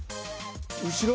後ろ？